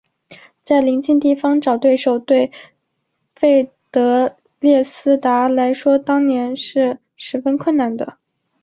在邻近地方找对手对费德列斯达来说当年是十分困难的。